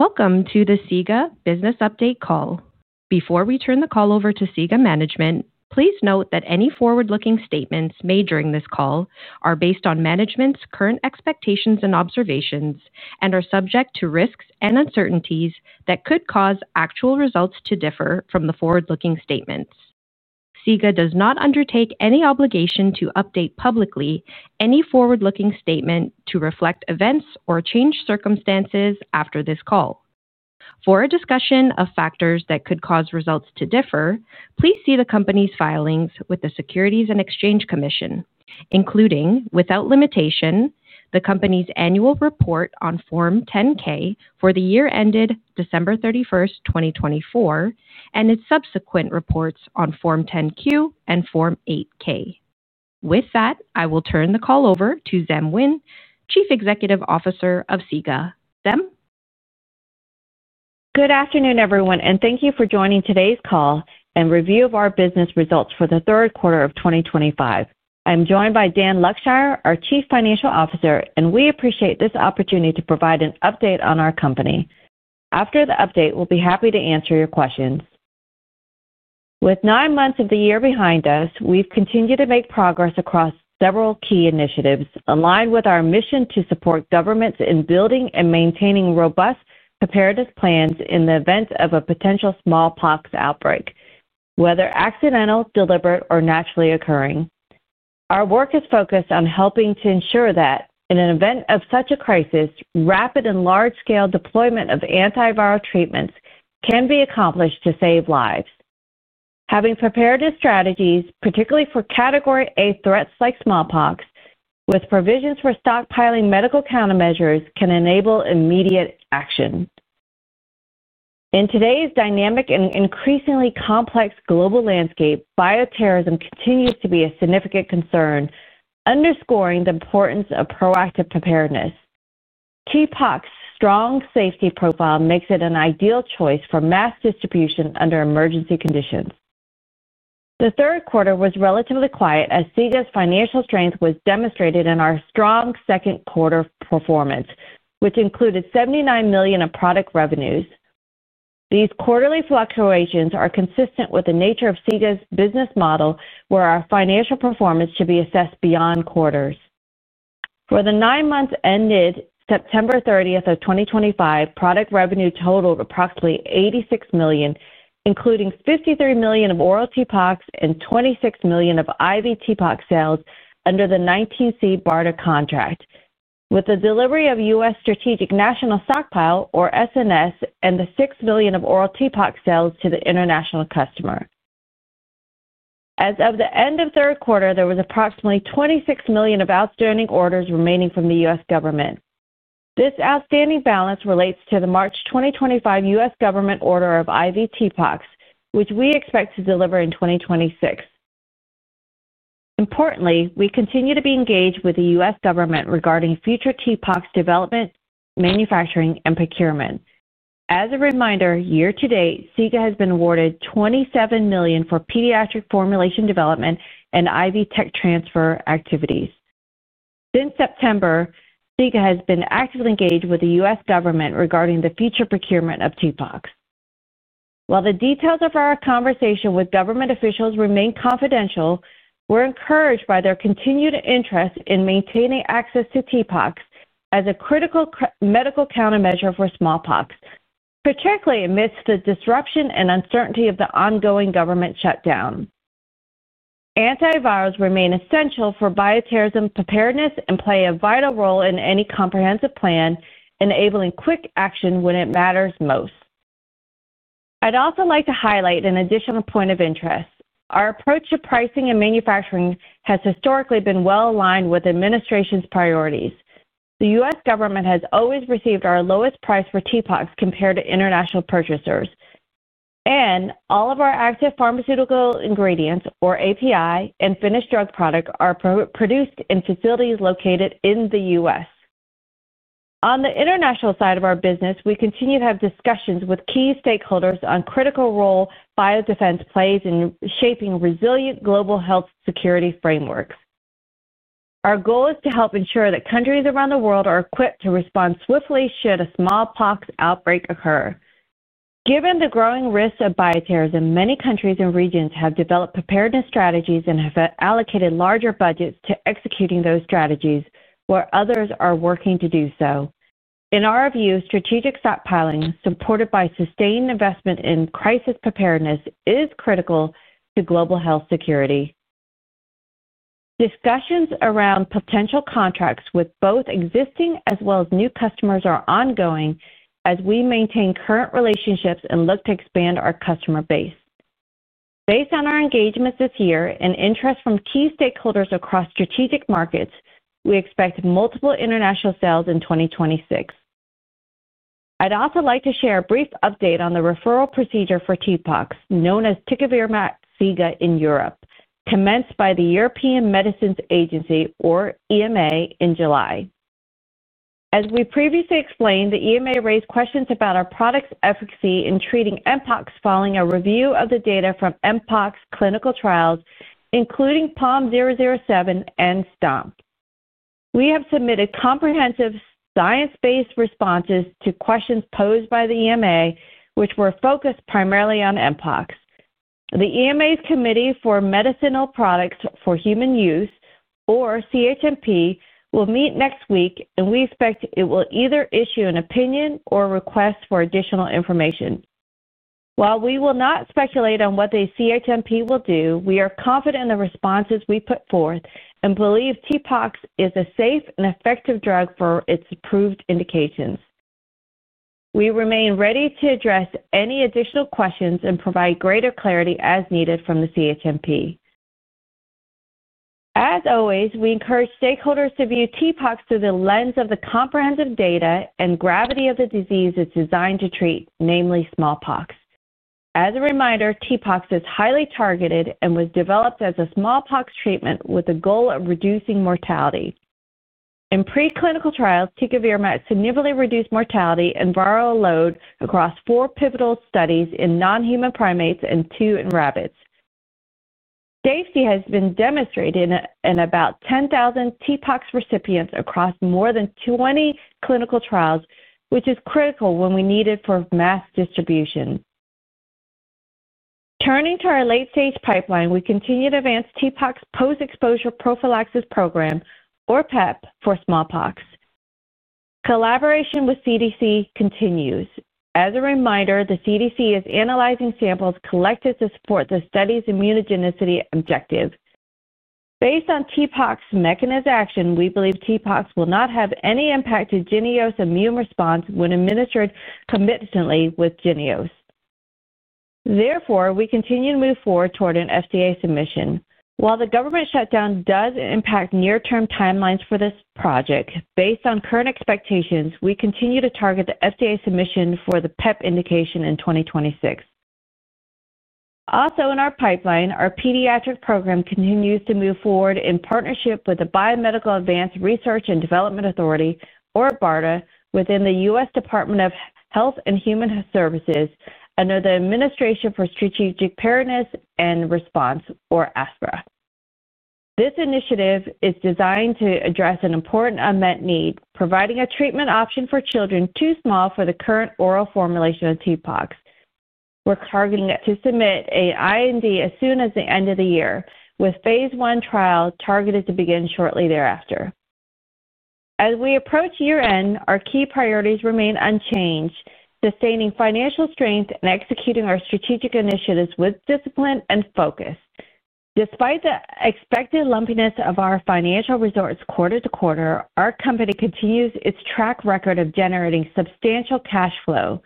Welcome to the SIGA Business Update call. Before we turn the call over to SIGA Management, please note that any forward-looking statements made during this call are based on management's current expectations and observations, and are subject to risks and uncertainties that could cause actual results to differ from the forward-looking statements. SIGA does not undertake any obligation to update publicly any forward-looking statement to reflect events or change circumstances after this call. For a discussion of factors that could cause results to differ, please see the company's filings with the Securities and Exchange Commission, including, without limitation, the company's annual report on Form 10-K for the year ended December 31, 2024, and its subsequent reports on Form 10-Q and Form 8-K. With that, I will turn the call over to Diem Nguyen, Chief Executive Officer of SIGA. Diem. Good afternoon, everyone, and thank you for joining today's call and review of our business results for the third quarter of 2025. I'm joined by Dan Luckshire, our Chief Financial Officer, and we appreciate this opportunity to provide an update on our company. After the update, we'll be happy to answer your questions. With nine months of the year behind us, we've continued to make progress across several key initiatives, aligned with our mission to support governments in building and maintaining robust preparedness plans in the event of a potential smallpox outbreak, whether accidental, deliberate, or naturally occurring. Our work is focused on helping to ensure that, in an event of such a crisis, rapid and large-scale deployment of antiviral treatments can be accomplished to save lives. Having preparedness strategies, particularly for Category A threats like smallpox, with provisions for stockpiling medical countermeasures can enable immediate action. In today's dynamic and increasingly complex global landscape, bioterrorism continues to be a significant concern, underscoring the importance of proactive preparedness. TPOXX's strong safety profile makes it an ideal choice for mass distribution under emergency conditions. The third quarter was relatively quiet as SIGA's financial strength was demonstrated in our strong second quarter performance, which included $79 million in product revenues. These quarterly fluctuations are consistent with the nature of SIGA's business model, where our financial performance should be assessed beyond quarters. For the nine months ended September 30, 2025, product revenue totaled approximately $86 million, including $53 million of oral TPOXX and $26 million of IV TPOXX sales under the 19C BARDA contract, with the delivery to U.S. Strategic National Stockpile, or SNS, and the $6 million of oral TPOXX sales to the international customer. As of the end of the third quarter, there was approximately $26 million of outstanding orders remaining from the U.S. government. This outstanding balance relates to the March 2025 U.S. government order of IV TPOXX, which we expect to deliver in 2026. Importantly, we continue to be engaged with the U.S. government regarding future TPOXX development, manufacturing, and procurement. As a reminder, year to date, SIGA has been awarded $27 million for pediatric formulation development and IV tech transfer activities. Since September, SIGA has been actively engaged with the U.S. government regarding the future procurement of TPOXX. While the details of our conversation with government officials remain confidential, we're encouraged by their continued interest in maintaining access to TPOXX as a critical medical countermeasure for smallpox, particularly amidst the disruption and uncertainty of the ongoing government shutdown. Antivirals remain essential for bioterrorism preparedness and play a vital role in any comprehensive plan, enabling quick action when it matters most. I'd also like to highlight an additional point of interest. Our approach to pricing and manufacturing has historically been well aligned with the administration's priorities. The U.S. government has always received our lowest price for TPOXX compared to international purchasers. All of our active pharmaceutical ingredients, or API, and finished drug products are produced in facilities located in the U.S. On the international side of our business, we continue to have discussions with key stakeholders on the critical role biodefense plays in shaping resilient global health security frameworks. Our goal is to help ensure that countries around the world are equipped to respond swiftly should a smallpox outbreak occur. Given the growing risks of bioterrorism, many countries and regions have developed preparedness strategies and have allocated larger budgets to executing those strategies, while others are working to do so. In our view, strategic stockpiling, supported by sustained investment in crisis preparedness, is critical to global health security. Discussions around potential contracts with both existing as well as new customers are ongoing as we maintain current relationships and look to expand our customer base. Based on our engagements this year and interest from key stakeholders across strategic markets, we expect multiple international sales in 2026. I'd also like to share a brief update on the referral procedure for TPOXX, known as Tecovirimat SIGA in Europe, commenced by the European Medicines Agency, or EMA, in July. As we previously explained, the EMA raised questions about our product's efficacy in treating Mpox following a review of the data from Mpox clinical trials, including POM 007 and STOMP. We have submitted comprehensive science-based responses to questions posed by the EMA, which were focused primarily on Mpox. The EMA's Committee for Medicinal Products for Human Use, or CHMP, will meet next week, and we expect it will either issue an opinion or request for additional information. While we will not speculate on what the CHMP will do, we are confident in the responses we put forth and believe TPOXX is a safe and effective drug for its approved indications. We remain ready to address any additional questions and provide greater clarity as needed from the CHMP. As always, we encourage stakeholders to view TPOXX through the lens of the comprehensive data and gravity of the disease it's designed to treat, namely smallpox. As a reminder, TPOXX is highly targeted and was developed as a smallpox treatment with the goal of reducing mortality. In preclinical trials, TPOXX significantly reduced mortality and viral load across four pivotal studies in non-human primates and two in rabbits. Safety has been demonstrated in about 10,000 TPOXX recipients across more than 20 clinical trials, which is critical when we need it for mass distribution. Turning to our late-stage pipeline, we continue to advance the TPOXX post-exposure prophylaxis program, or PEP, for smallpox. Collaboration with CDC continues. As a reminder, the CDC is analyzing samples collected to support the study's immunogenicity objective. Based on TPOXX's mechanism of action, we believe TPOXX will not have any impact to JYNNEOS immune response when administered concomitantly with JYNNEOS. Therefore, we continue to move forward toward an FDA submission. While the government shutdown does impact near-term timelines for this project, based on current expectations, we continue to target the FDA submission for the PEP indication in 2026. Also, in our pipeline, our pediatric program continues to move forward in partnership with the Biomedical Advanced Research and Development Authority, or BARDA, within the U.S. Department of Health and Human Services under the Administration for Strategic Preparedness and Response, or ASPR. This initiative is designed to address an important unmet need, providing a treatment option for children too small for the current oral formulation of TPOXX. We're targeting to submit an IND as soon as the end of the year, with phase one trials targeted to begin shortly thereafter. As we approach year-end, our key priorities remain unchanged: sustaining financial strength and executing our strategic initiatives with discipline and focus. Despite the expected lumpiness of our financial results quarter-to-quarter, our company continues its track record of generating substantial cash flow.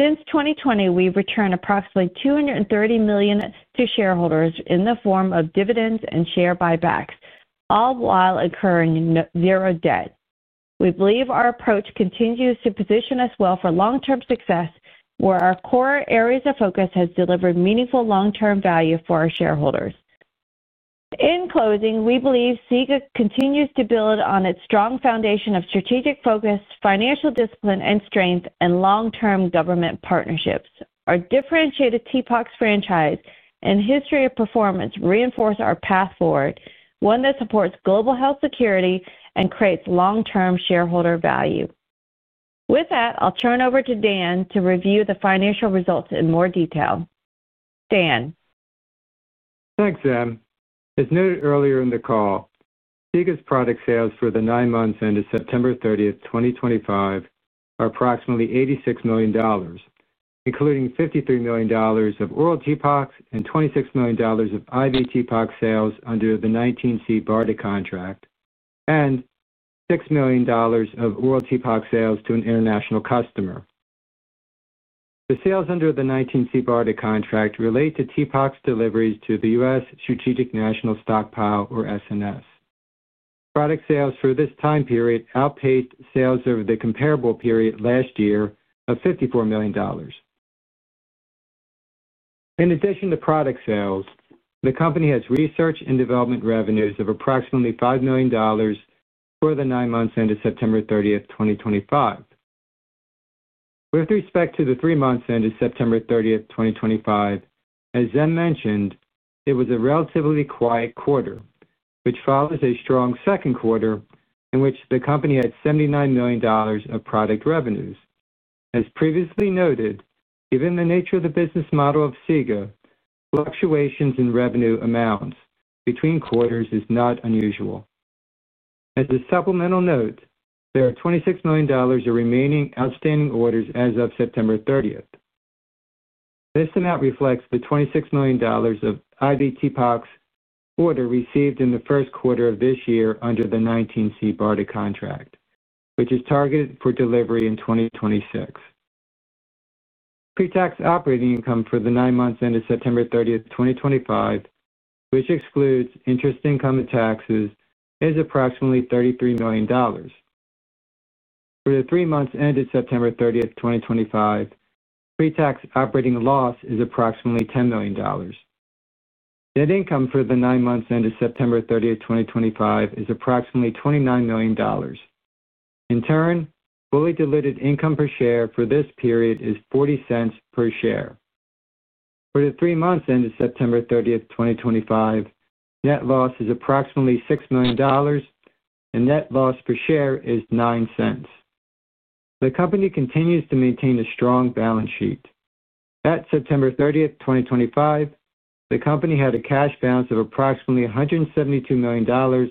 Since 2020, we've returned approximately $230 million to shareholders in the form of dividends and share buybacks, all while incurring zero debt. We believe our approach continues to position us well for long-term success, where our core areas of focus have delivered meaningful long-term value for our shareholders. In closing, we believe SIGA continues to build on its strong foundation of strategic focus, financial discipline, and strength in long-term government partnerships. Our differentiated TPOXX franchise and history of performance reinforce our path forward, one that supports global health security and creates long-term shareholder value. With that, I'll turn over to Dan to review the financial results in more detail. Dan. Thanks, Diem. As noted earlier in the call. SIGA's product sales for the nine months ended September 30, 2025, are approximately $86 million. Including $53 million of oral TPOXX and $26 million of IV TPOXX sales under the 19C BARDA contract, and $6 million of oral TPOXX sales to an international customer. The sales under the 19C BARDA contract relate to TPOXX deliveries to the U.S. Strategic National Stockpile, or SNS. Product sales for this time period outpaced sales over the comparable period last year of $54 million. In addition to product sales, the company has research and development revenues of approximately $5 million. For the nine months ended September 30, 2025. With respect to the three months ended September 30, 2025. As Diem mentioned, it was a relatively quiet quarter, which follows a strong second quarter in which the company had $79 million of product revenues. As previously noted, given the nature of the business model of SIGA, fluctuations in revenue amounts between quarters are not unusual. As a supplemental note, there are $26 million of remaining outstanding orders as of September 30. This amount reflects the $26 million of IV TPOXX orders received in the first quarter of this year under the 19C BARDA contract, which is targeted for delivery in 2026. Pre-tax operating income for the nine months ended September 30, 2025, which excludes interest income and taxes, is approximately $33 million. For the three months ended September 30, 2025, pre-tax operating loss is approximately $10 million. Net income for the nine months ended September 30, 2025, is approximately $29 million. In turn, fully diluted income per share for this period is $0.40 per share. For the three months ended September 30, 2025, net loss is approximately $6 million. Net loss per share is $0.09. The company continues to maintain a strong balance sheet. At September 30, 2025, the company had a cash balance of approximately $172 million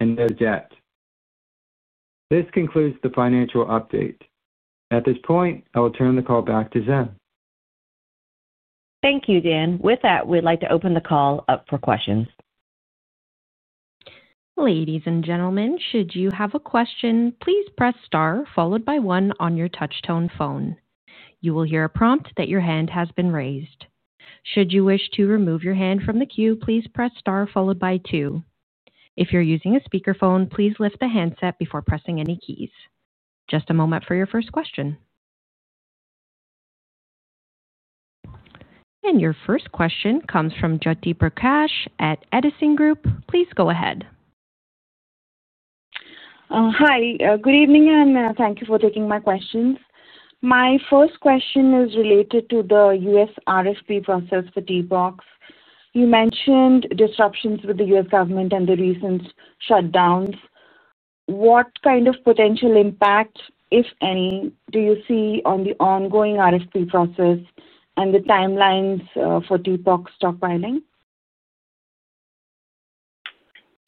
and no debt. This concludes the financial update. At this point, I will turn the call back to Diem. Thank you, Dan. With that, we'd like to open the call up for questions. Ladies and gentlemen, should you have a question, please press star followed by one on your touch-tone phone. You will hear a prompt that your hand has been raised. Should you wish to remove your hand from the queue, please press star followed by two. If you're using a speakerphone, please lift the handset before pressing any keys. Just a moment for your first question. Your first question comes from Jyoti Prakash at Edison Group. Please go ahead. Hi. Good evening and thank you for taking my questions. My first question is related to the U.S. RFP process for TPOXX. You mentioned disruptions with the U.S. government and the recent shutdowns. What kind of potential impact, if any, do you see on the ongoing RFP process and the timelines for TPOXX stockpiling?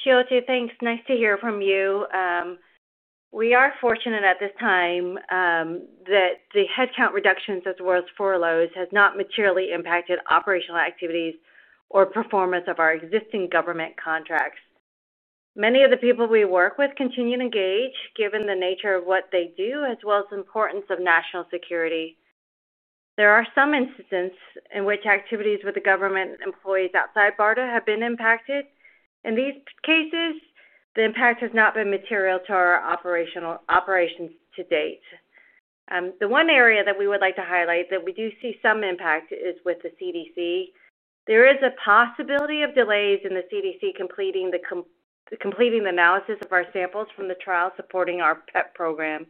Jyoti, thanks. Nice to hear from you. We are fortunate at this time that the headcount reductions as well as furloughs have not materially impacted operational activities or performance of our existing government contracts. Many of the people we work with continue to engage, given the nature of what they do, as well as the importance of national security. There are some instances in which activities with the government employees outside BARDA have been impacted. In these cases, the impact has not been material to our operations to date. The one area that we would like to highlight that we do see some impact is with the CDC. There is a possibility of delays in the CDC completing the analysis of our samples from the trials supporting our PEP program.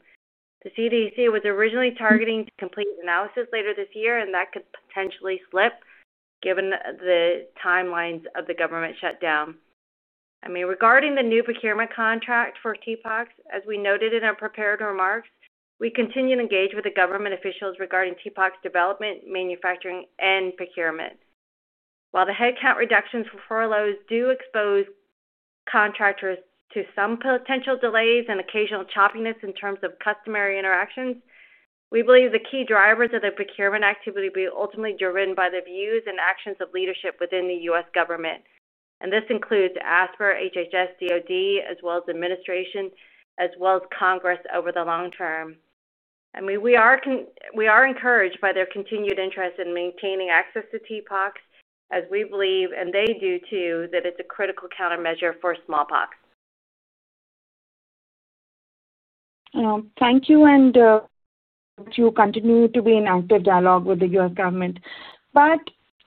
The CDC was originally targeting to complete analysis later this year, and that could potentially slip given the timelines of the government shutdown. I mean, regarding the new procurement contract for TPOXX, as we noted in our prepared remarks, we continue to engage with the government officials regarding TPOXX's development, manufacturing, and procurement. While the headcount reductions for furloughs do expose contractors to some potential delays and occasional choppiness in terms of customary interactions, we believe the key drivers of the procurement activity will be ultimately driven by the views and actions of leadership within the U.S. government. This includes ASPR, HHS, DOD, as well as administration, as well as Congress over the long term. I mean, we are encouraged by their continued interest in maintaining access to TPOXX, as we believe, and they do too, that it's a critical countermeasure for smallpox. Thank you, and to continue to be in active dialogue with the U.S. government.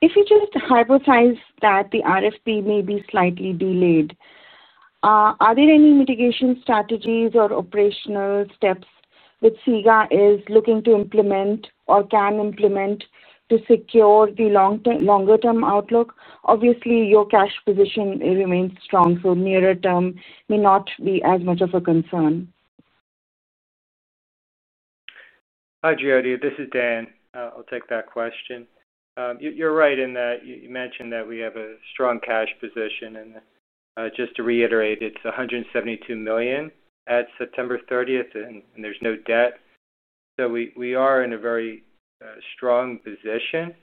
If you just hypothesize that the RFP may be slightly delayed, are there any mitigation strategies or operational steps that SIGA is looking to implement or can implement to secure the longer-term outlook? Obviously, your cash position remains strong, so nearer-term may not be as much of a concern. Hi, Jyoti. This is Dan. I'll take that question. You're right in that you mentioned that we have a strong cash position. Just to reiterate, it's $172 million at September 30, and there's no debt. We are in a very strong position.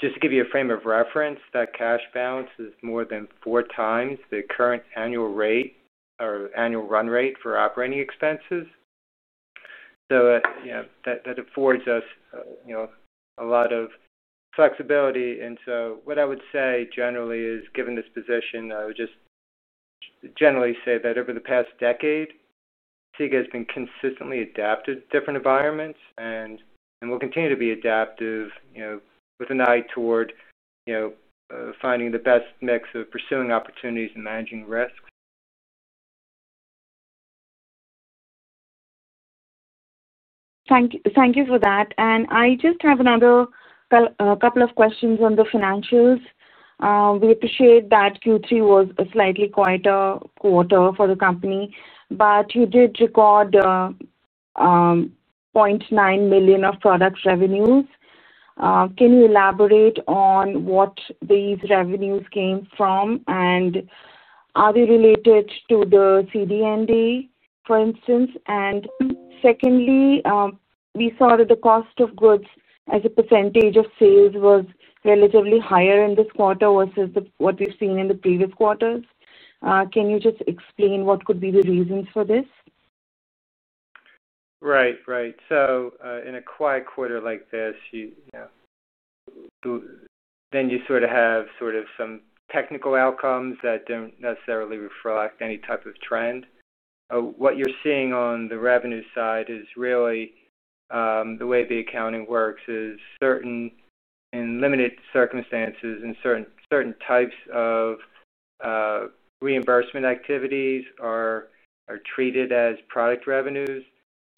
Just to give you a frame of reference, that cash balance is more than 4x the current annual rate or annual run rate for operating expenses. That affords us a lot of flexibility. What I would say generally is, given this position, I would just generally say that over the past decade, SIGA has been consistently adapted to different environments and will continue to be adaptive, with an eye toward finding the best mix of pursuing opportunities and managing risks. Thank you for that. I just have another couple of questions on the financials. We appreciate that Q3 was a slightly quieter quarter for the company, but you did record $0.9 million of product revenues. Can you elaborate on what these revenues came from, and are they related to the CD&D, for instance? Secondly, we saw that the cost of goods as a percentage of sales was relatively higher in this quarter versus what we have seen in previous quarters. Can you just explain what could be the reasons for this? Right, right. In a quiet quarter like this, you sort of have some technical outcomes that do not necessarily reflect any type of trend. What you are seeing on the revenue side is really the way the accounting works. In certain and limited circumstances, certain types of reimbursement activities are treated as product revenues.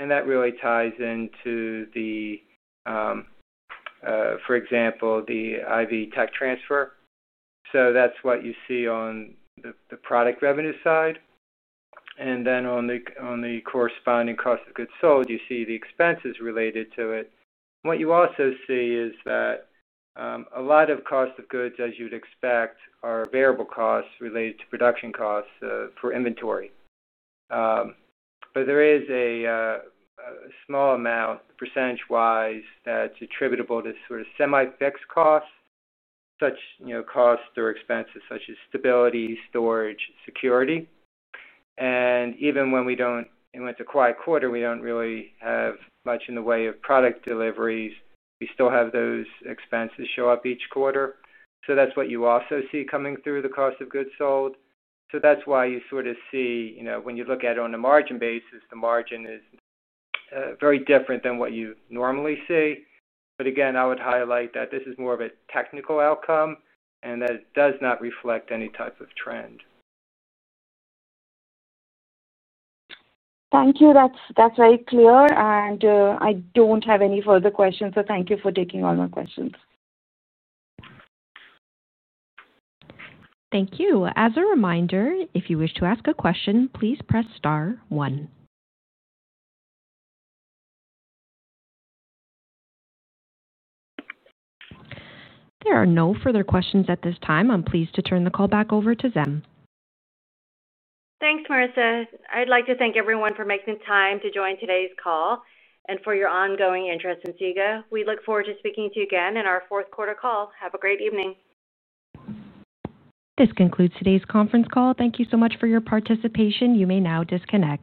That really ties into, for example, the IV tech transfer. That is what you see on the product revenue side. On the corresponding cost of goods sold, you see the expenses related to it. What you also see is that a lot of cost of goods, as you would expect, are variable costs related to production costs for inventory. There is a small amount, percentage-wise, that is attributable to sort of semi-fixed costs. Such costs or expenses include stability, storage, and security. Even when we don't—in a quiet quarter—we don't really have much in the way of product deliveries. We still have those expenses show up each quarter. That's what you also see coming through the cost of goods sold. That's why you sort of see, when you look at it on a margin basis, the margin is very different than what you normally see. Again, I would highlight that this is more of a technical outcome and that it does not reflect any type of trend. Thank you. That's very clear. I don't have any further questions, so thank you for taking all my questions. Thank you. As a reminder, if you wish to ask a question, please press star one. There are no further questions at this time. I'm pleased to turn the call back over to Diem. Thanks, Marissa. I'd like to thank everyone for making time to join today's call and for your ongoing interest in SIGA. We look forward to speaking to you again in our fourth quarter call. Have a great evening. This concludes today's conference call. Thank you so much for your participation. You may now disconnect.